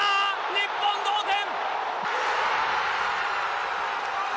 日本、同点。